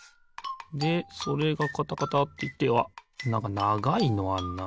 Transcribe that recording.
でそれがカタカタっていってあっなんかながいのあんな。